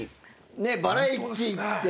ねえバラエティーって。